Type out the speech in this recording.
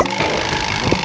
aku juga gak tahu